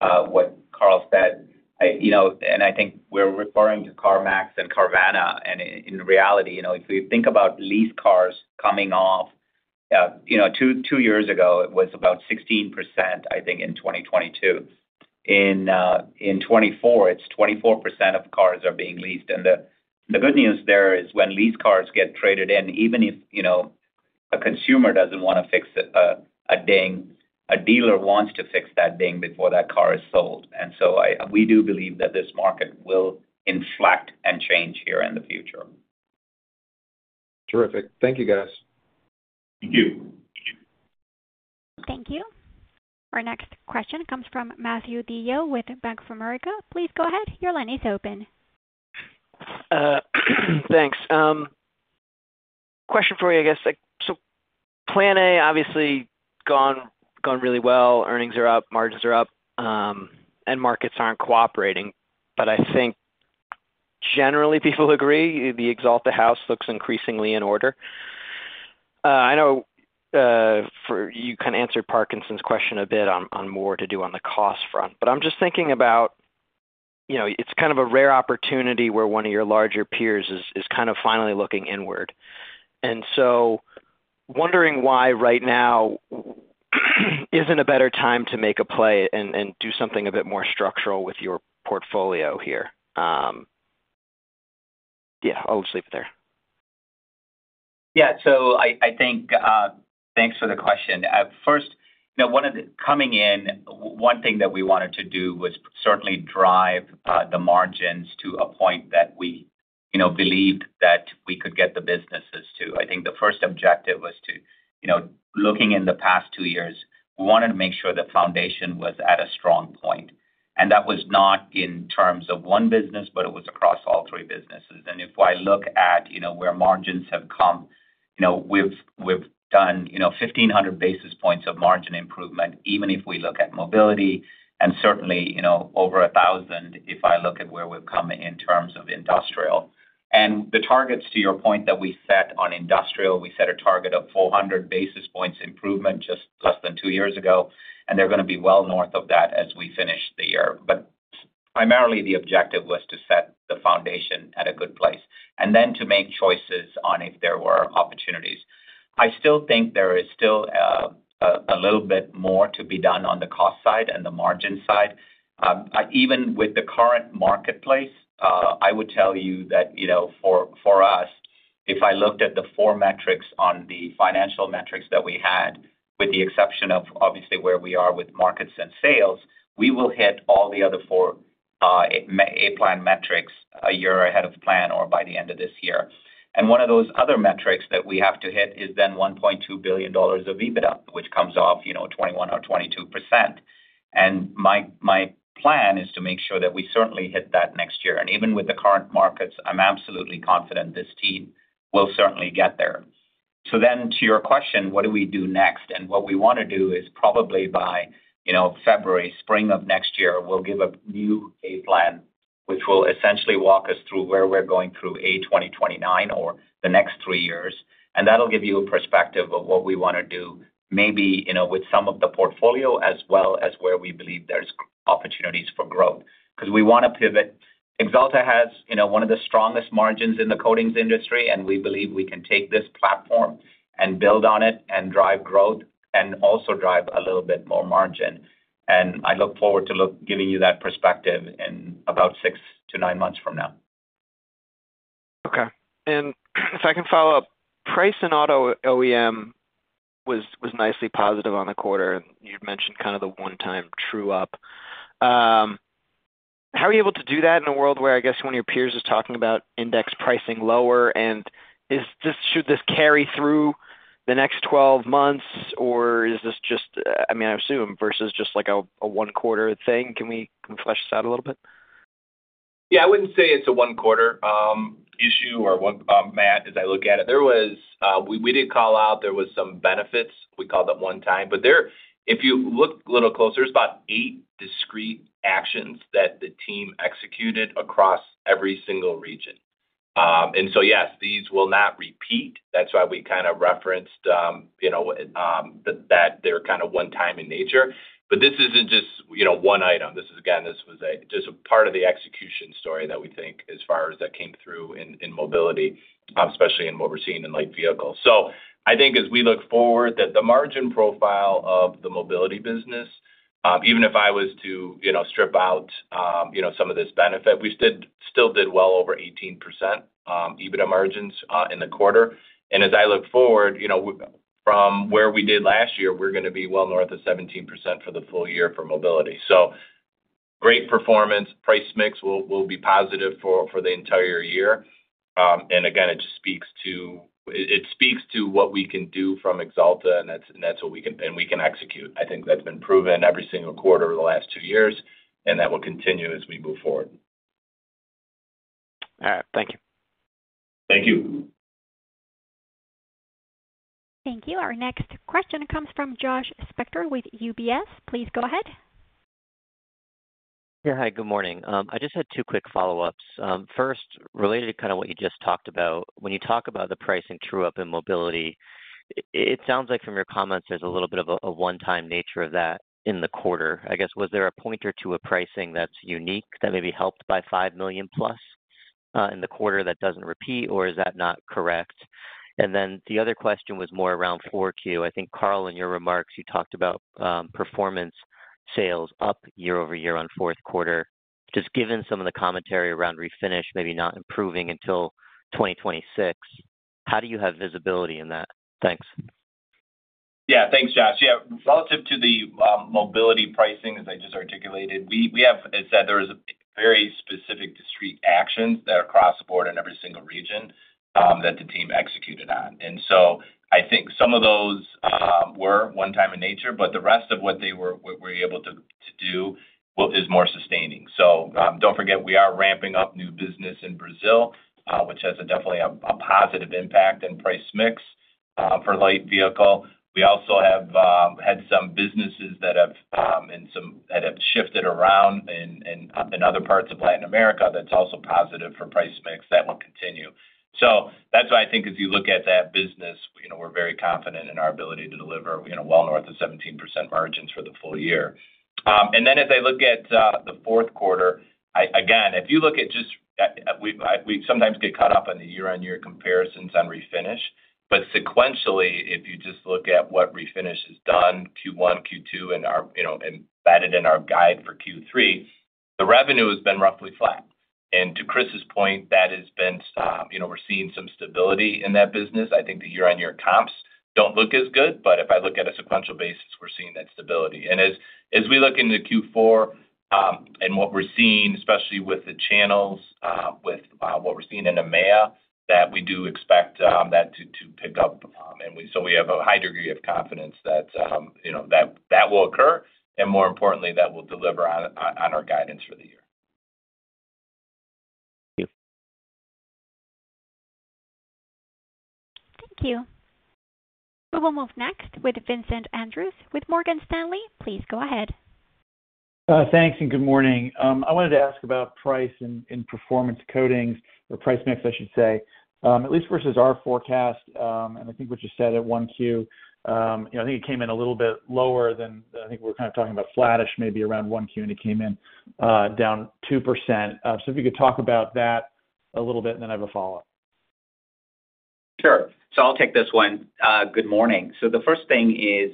what Carl said, you know, I think we're referring to CarMax and Carvana. In reality, if you think about lease cars coming off two years ago, it was about 16%. I think in 2022, in 2024, it's 24% of cars are being leased. The good news there is when lease cars get traded in, even if a consumer doesn't want to fix a ding, a dealer wants to fix that ding before that car is sold. We do believe that this market will inflect and change here in the future. Terrific. Thank you, guys. Thank you. Thank you. Our next question comes from Matthew DeYoe with Bank of America. Please go ahead. Your line is open. Thanks. Question for you, I guess A Plan obviously gone really well. Earnings are up, margins are up, end markets aren't cooperating. I think generally people agree the Axalta house looks increasingly in order. I know you kind of answered Parkinson's question a bit on more to do on the cost front, but I'm just thinking about it's kind of a rare opportunity where one of your larger peers is kind of finally looking inward and so wondering why right now isn't a better time to make a play and do something a bit more structural with your portfolio here. I'll just leave it there. Yeah. Thanks for the question. First coming in, one thing that we wanted to do was certainly drive the margins to a point that we believed that we could get the businesses to. I think the first objective was to, looking in the past two years, we wanted to make sure the foundation was at a strong point. That was not in terms of one business, but it was across all three businesses. If I look at where margins have come, we've done 1,500 basis points of margin improvement, even if we look at Mobility and certainly over 1,000 basis points. If I look at where we've come in terms of industrial and the targets, to your point that we set on industrial, we set a target of 400 basis points improvement just less than two years ago and they're going to be well north of that as we finish the year. Primarily the objective was to set the foundation at a good place and then to make choices on if there were opportunities. I still think there is still a little bit more to be done on the cost side and the margin side, even with the current marketplace. I would tell you that for us, if I looked at the four metrics on the financial metrics that we had, with the exception of obviously where we are with markets and sales, we will hit all the other four A Plan metrics a year ahead of plan or by the end of this year. One of those other metrics that we have to hit is then $1.2 billion of EBITDA, which comes off, you know, 21% or 22%. My plan is to make sure that we certainly hit that next year. Even with the current markets, I'm absolutely confident this team will certainly get there. To your question, what do we do next? What we want to do is probably by, you know, February, spring of next year, we'll give a new A Plan which will essentially walk us through where we're going through 2029 or the next three years. That'll give you a perspective of what we want to do maybe, you know, with some of the portfolio as well as where we believe there's opportunities for growth because we want to pivot. Axalta has one of the strongest margins in the coatings industry. We believe we can take this platform and build on it and drive growth and also drive a little bit more margin. I look forward to giving you that perspective in about six to nine months from now. Okay. If I can follow up, price in auto OEM was nicely positive on the quarter, and you mentioned kind of the one-time true up. How are you able to do that in a world where I guess one of your peers is talking about index pricing lower, should this carry through the next 12 months or is this just, I mean, I assume versus just like a one quarter thing. Can we flesh this out a little bit? Yeah, I wouldn't say it's a Q1 issue. As I look at it, we did call out there was some benefits. We called that one time. If you look a little closer, about eight discrete actions that the team executed across every single region. Yes, these will not repeat. That's why we kind of referenced, you know, that they're kind of one time in nature. This isn't just, you know, one item. This was just a part of the execution story that we think as far as that came through in Mobility, especially in what we're seeing in light vehicles. I think as we look forward, the margin profile of the Mobility business, even if I was to strip out some of this benefit, we still did well over 18% EBITDA margins in the quarter. As I look forward from where we did last year, we're going to be well north of 17% for the full year for Mobility. Great performance, price mix will be positive for the entire year. It just speaks to what we can do from Axalta and that's what we can and we can execute. I think that's been proven every single quarter over the last two years and that will continue as we move forward. All right, thank you. Thank you. Thank you. Our next question comes from Josh Spector with UBS. Please go ahead. Yeah, hi, good morning. I just had two quick follow-ups. First, related to kind of what you just talked about when you talk about the pricing true up in Mobility, it sounds like from your comments there's a little bit of a one-time nature of that in the quarter. I guess, was there a pointer to a pricing that's unique that maybe helped by $5+ million in the quarter that doesn't repeat, or is that not correct? The other question was more around 4Q. I think, Carl, in your remarks you talked about performance sales up year-over-year on fourth quarter. Just given some of the commentary around Refinish maybe not improving until 2026, how do you have visibility in that? Thanks. Yeah, thanks Josh. Yeah, relative to the Mobility pricing as I just articulated, we have said there are very specific discrete actions that are across the board in every single region that the team executed on. I think some of those were one time in nature, but the rest of what they were able to do is more sustaining. Don't forget we are ramping up new business in Brazil, which has definitely a positive impact in price mix for light vehicle. We also have had some businesses that have shifted around in other parts of Latin America that's also positive for price mix that will continue. That's why I think as you look at that business we're very confident in our ability to deliver well north of 17% margins for the full year. As I look at the fourth quarter, if you look at just, we sometimes get caught up on the year-on-year comparisons on Refinish, but sequentially if you just look at what Refinish has done, Q1, Q2, and our, you know, embedded in our guide for Q3, the revenue has been roughly flat and to Chris's point that has been, you know, we're seeing some stability in that business. I think the year-on-year comps don't look as good, but if I look at a sequential basis we're seeing that stability and as we look into Q4 and what we're seeing, especially with the channels, with what we're seeing in EMEA, we do expect that to pick up and we have a high degree of confidence that will occur and more importantly that will deliver on our guidance for the year. Thank you. Thank you. We will move next with Vincent Andrews with Morgan Stanley. Please go ahead. Thanks and good morning. I wanted to ask about price and performance coatings or price mix I should say at least versus our forecast. I think what you said at 1Q, I think it came in a little bit lower than I think we're kind of talking about flattish, maybe around 1Q, and it came in down 2%. If you could talk about that a little bit and then have a follow up. Sure. I'll take this one. Good morning. The first thing is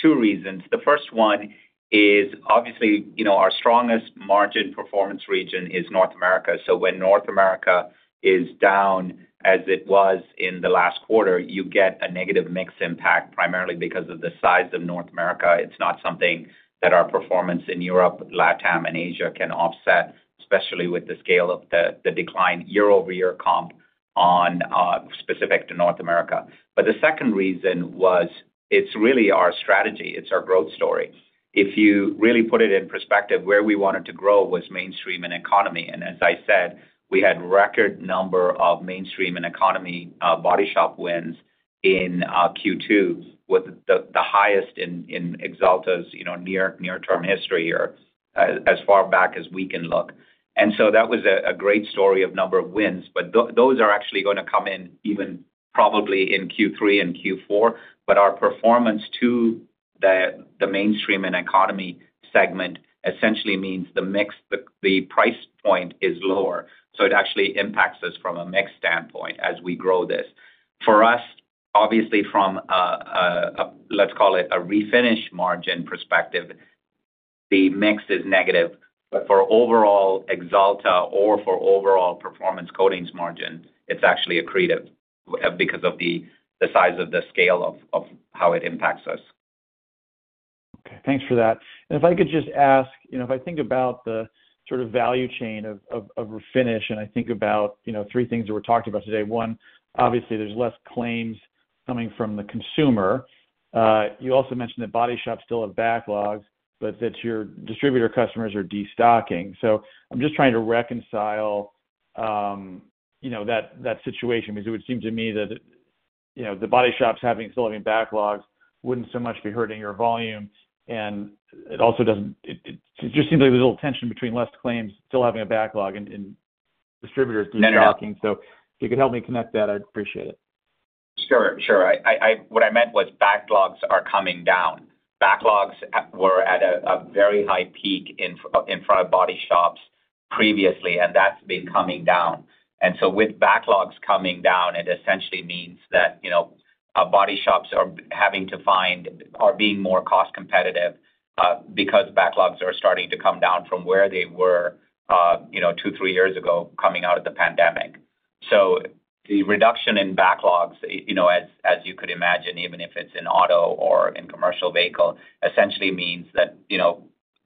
two reasons. The first one is obviously our strongest margin performance region is North America. When North America is down as it was in the last quarter, you get a negative mix impact primarily because of the size of North America. It's not something that our performance in Europe, Latin America, and Asia can offset, especially with the scale of the decline year-over-year comp specific to North America. The second reason is it's really our strategy, it's our growth story. If you really put it in perspective, where we wanted to grow was mainstream and economy, and as I said, we had a record number of mainstream and economy body shop wins in Q2 with the highest in Axalta's near-term history, as far back as we can look. That was a great story of number of wins. Those are actually going to come in even probably in Q3 and Q4. Our performance to the mainstream and economy segment essentially means the mix, the price point is lower. It actually impacts us from a mix standpoint as we grow this for us, obviously from let's call it a Refinish margin perspective, the mix is negative. For overall Axalta or for overall performance coatings margin, it's actually accretive because of the size of the scale of how it impacts us. Okay, thanks for that. If I could just ask, if I think about the sort of value chain of Refinish and I think about three things that we're talking about today. One, obviously there's less claims coming from the consumer. You also mentioned that body shops still have backlogs, but that your distributor customers are destocking. I'm just trying to reconcile that situation because it would seem to me that the body shops having still living backlogs wouldn't so much be hurting your volume. It also doesn't. It just seems like there's a little tension between less claims still having a backlog and distributors do blocking. If you could help me connect that, I'd appreciate it. Sure, sure. What I meant was backlogs are coming down. Backlogs were at a very high peak in front of body shops previously, and that's been coming down. With backlogs coming down, it essentially means that body shops are having to find, are being more cost competitive because backlogs are starting to come down from where they were two, three years ago coming out of the pandemic. The reduction in backlogs, as you could imagine, even if it's in auto or in commercial vehicle, essentially means that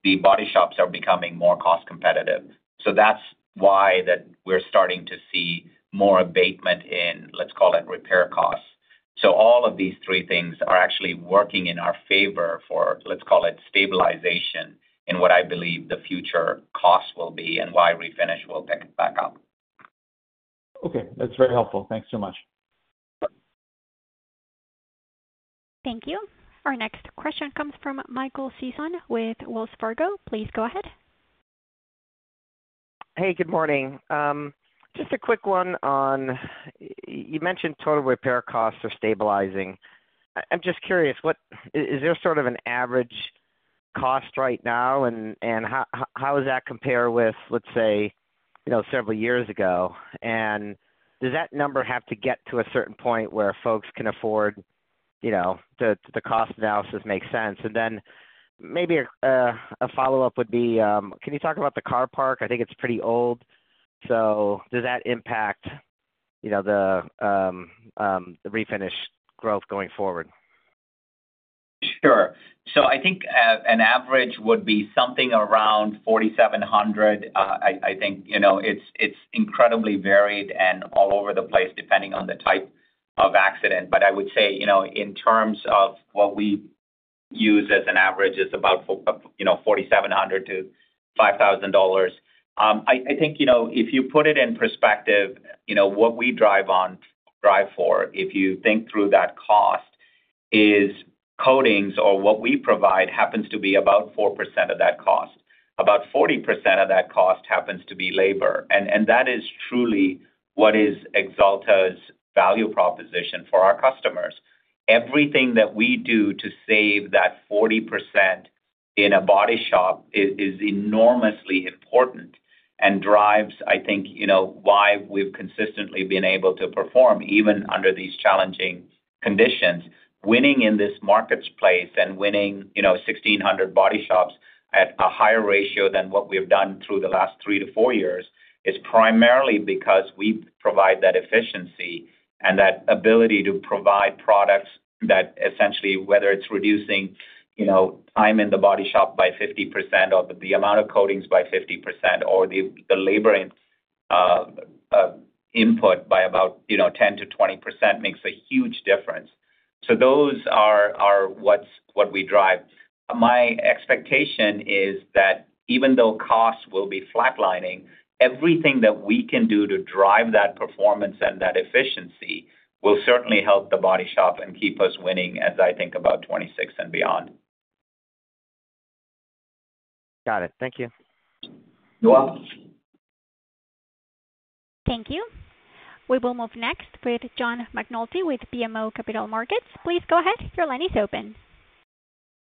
the body shops are becoming more cost competitive. That's why we're starting to see more abatement in, let's call it, repair costs. All of these three things are actually working in our favor for, let's call it, stabilization in what I believe the future costs will be and why Refinish will pick it back up. Okay, that's very helpful, thanks so much. Thank you. Our next question comes from Michael Sison with Wells Fargo. Please go ahead. Hey, good morning. Just a quick one on you mentioned total repair costs are stabilizing. I'm just curious, is there sort of an average cost right now, and how does that compare with, let's say, several years ago, and does that number have to get to a certain point where folks can afford the cost analysis makes sense. Maybe a follow up would be, can you talk about the car park? I think it's pretty old. Does that impact the Refinish growth going forward? Sure. I think an average would be something around $4,700. I think it's incredibly varied and all over the place depending on the type of accident. I would say, in terms of what we use as an average, it's about $4,700-$5,000. If you put it in perspective, what we drive on, drive for, if you think through that cost, is coatings or what we provide happens to be about 4% of that cost. About 40% of that cost happens to be labor. That is truly what is Axalta's value proposition for our customers. Everything that we do to save that 40% in a body shop is enormously important and drives why we've consistently been able to perform even under these challenging conditions. Winning in this marketplace and winning 1,600 body shops at a higher ratio than what we have done through the last three to four years is primarily because we provide that efficiency and that ability to provide products that essentially, whether it's reducing time in the body shop by 50% or the amount of coatings by 50% or the labor input by about 10%-20%, makes a huge difference. Those are what we drive. My expectation is that even though costs will be flatlining, everything that we can do to drive that performance and that efficiency will certainly help the body shop and keep us winning as I think about 2026 and beyond. Got it. Thank you. You're welcome. Thank you. We will move next with John McNulty with BMO Capital Markets. Please go ahead. Your line is open.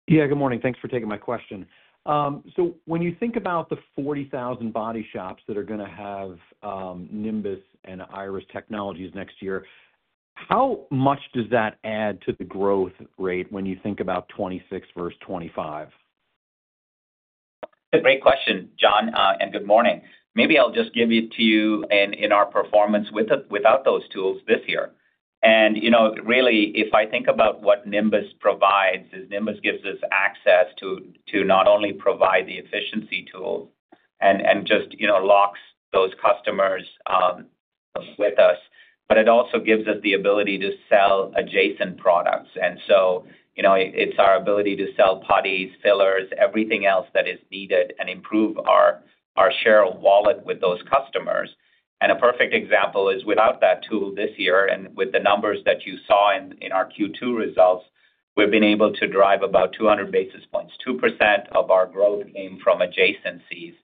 Good morning. Thanks for taking my question. When you think about the 40,000 body shops that are going to have Nimbus and Irus Technologies next year, how much does that add to the growth rate? When you think about 2026 versus 2025. Great question, John. Good morning. Maybe I'll just give it to you. In our performance without those tools this year, if I think about what Nimbus provides, Nimbus gives us access to not only provide the efficiency tool and just locks those customers with us, but it also gives us the ability to sell adjacent products. It's our ability to sell putties, fillers, everything else that is needed and improve our share of wallet with those customers. A perfect example is without that tool this year and with the numbers that you saw in our Q2 results, we've been able to drive about 200 basis points. 2% of our growth came from adjacencies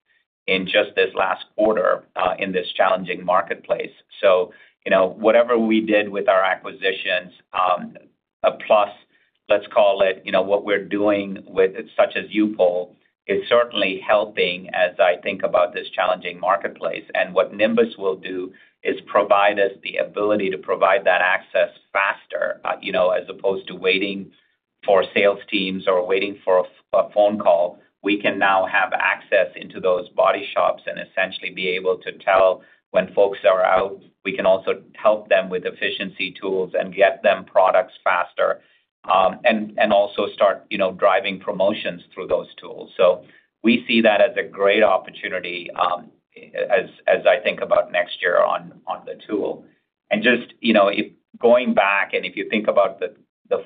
in just this last quarter in this challenging marketplace. Whatever we did with our acquisitions, plus let's call it what we're doing, such as U-POL, is certainly helping, as I think about this challenging marketplace. What Nimbus will do is provide us the ability to provide that access faster as opposed to waiting for sales teams or waiting for a phone call. We can now have access into those body shops and essentially be able to tell when folks are out. We can also help them with efficiency tools and get them products faster and also start driving promotions through those tools. We see that as a great opportunity. As I think about next year on the tool and just going back, if you think about the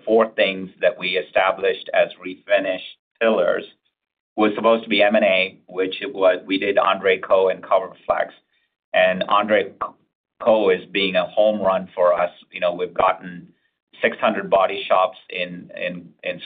four things that we established as Refinish pillars, it was supposed to be M&A, which we did, Andrè Koch and CoverFlexx. Andrè Koch is being a home run for us. We've gotten 600 body shops in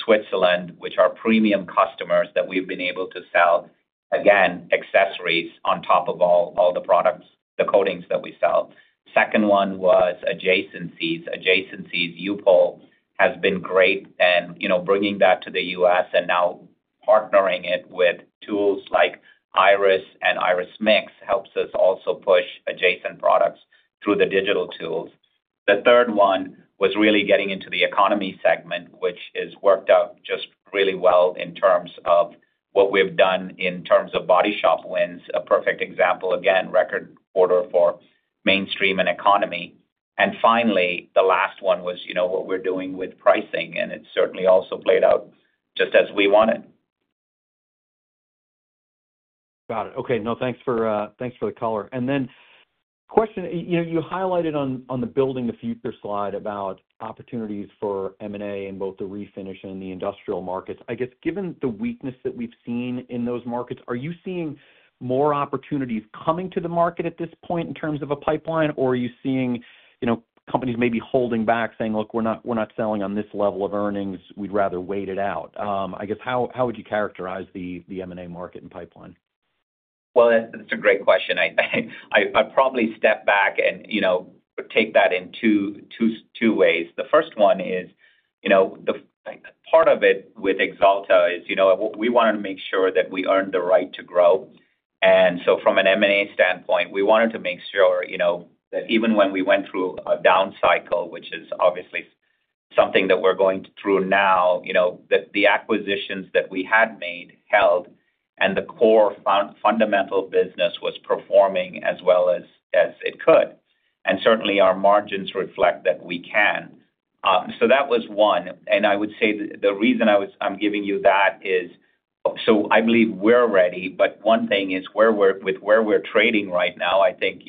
Switzerland, which are premium customers that we've been able to sell again, accessories on top of all the products, the coatings that we sell. Second one was adjacencies. Adjacencies, U-POL has been great and bringing that to the U.S. and now partnering it with tools like Irus and Irus Mix helps us also push adjacent products through the digital tools. The third one was really getting into the economy segment, which has worked out just really well in terms of what we've done in terms of body shop wins. A perfect example, again, record quarter for mainstream and economy. Finally, the last one was what we're doing with pricing and it certainly also played out just as we want it. Got it. Okay. Thanks for the color. You highlighted on the Building the Future slide about opportunities for M&A in both the Refinish and the industrial markets? I guess given the weakness that we've seen in those markets, are you seeing more opportunities coming to the market at this point in terms of a pipeline, or are you seeing companies maybe holding back saying, look, we're not selling on this level of earnings, we'd rather wait it out? I guess. How would you characterize the M&A market and pipeline? That's a great question. I probably step back and take that in two ways. The first one is, part of it with Axalta is, we wanted to make sure that we earned the right to grow. From an M&A standpoint, we wanted to make sure that even when we went through a down cycle, which is obviously something that we're going through now, the acquisitions that we had made held and the core fundamental business was performing as well as it could, and certainly our margins reflect that we can. That was one. The reason I'm giving you that is so I believe we're ready. One thing is with where we're trading right now, I think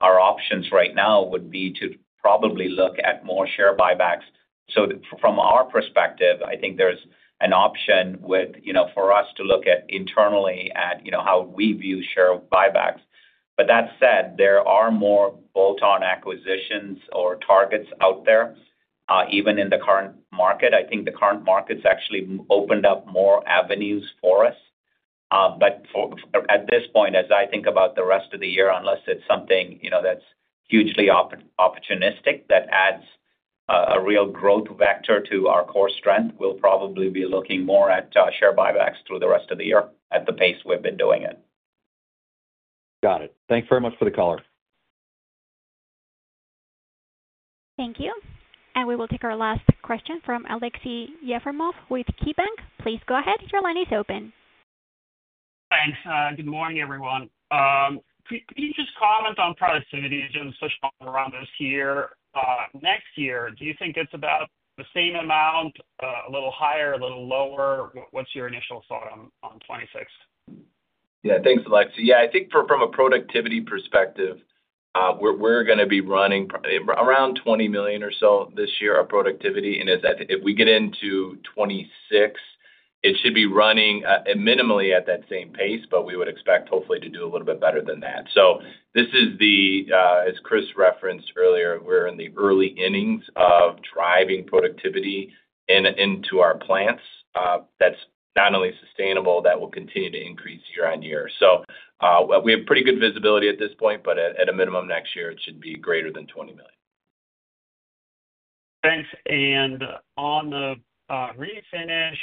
our options right now would be to probably look at more share buybacks. From our perspective, I think there's an option for us to look at internally at how we view share buybacks. That said, there are more bolt-on acquisitions or targets out there even in the current market. I think the current market's actually opened up more avenues for us. At this point, as I think about the rest of the year, unless it's something that's hugely opportunistic, that adds a real growth vector to our core strength, we'll probably be looking more at share buybacks through the rest of the year at the pace we've been doing it. Got it. Thanks very much for the call. Thank you. We will take our last question from Aleksey Yefremov with KeyBanc. Please go ahead. Your line is open. Thanks. Good morning everyone. Can you just comment on productivity around this year, next year? Do you think it's about the same amount? A little higher, a little lower? What's your initial thought on 2026? Yeah, thanks, Aleksey. Yeah, I think from a productivity perspective, we're going to be running around $20 million or so this year of productivity. If we get into 2026, it should be running minimally at that same pace. We would expect hopefully to do a little bit better than that. As Chris referenced earlier, we're in the early innings of driving productivity into our plants. That's not only sustainable, that will continue to increase year-on-year. We have pretty good visibility at this point. At a minimum, next year it should be greater than $20 million. Thanks. On the Refinish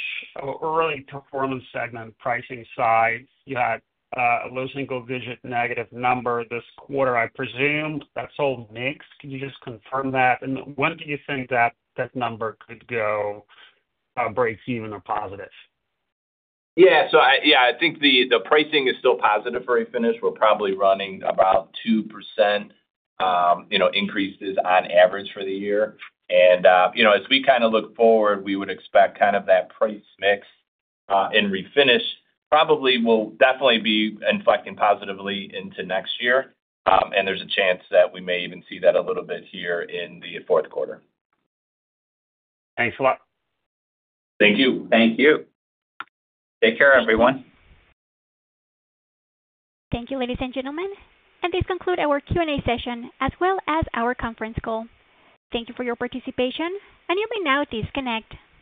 early performance segment. Pricing side, you had a low single-digit negative number this quarter. I presume that's all mixed. Can you just confirm that? When do you think that that number could go break even or positive? Yeah, I think the pricing is still positive for Refinish. We're probably running about 2% increases on average for the year. As we kind of look forward, we would expect that price mix in Refinish probably will definitely be inflecting positively into next year. There's a chance that we may even see that a little bit here in the fourth quarter. Thanks a lot. Thank you. Thank you. Take care, everyone. Thank you, ladies and gentlemen. This concludes our Q and A session as well as our conference call. Thank you for your participation. You may now disconnect.